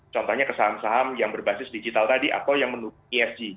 contohnya ke saham saham yang berbasis digital tadi atau yang mendukung esg